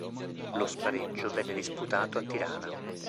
Lo spareggio venne disputato a Tirana.